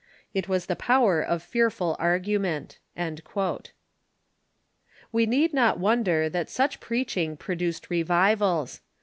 It was the power of fearful ar gument." We need not wonder that such preaching produced revivals.